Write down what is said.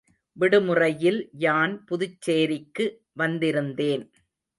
விடுமுறையில் யான் புதுச்சேரிக்கு வந்திருந்தேன்.